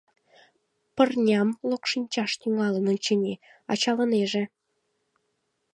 «Пырням локшинчаш тӱҥалын, очыни, ачалынеже.